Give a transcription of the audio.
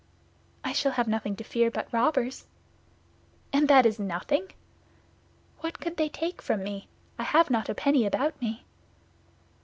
"I shall have nothing to fear but robbers." "And that is nothing?" "What could they take from me? I have not a penny about me."